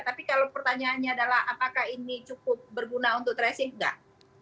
tapi kalau pertanyaannya adalah apakah ini cukup berguna untuk tracing enggak